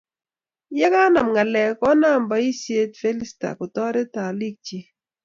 Ye kanam ng'alek Konam boisie Felista kotoret aliik chiik.